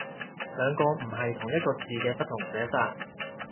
兩個唔係同一個字嘅不同寫法